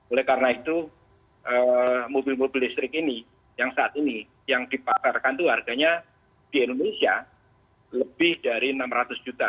oleh karena itu mobil mobil listrik ini yang saat ini yang dipasarkan itu harganya di indonesia lebih dari enam ratus juta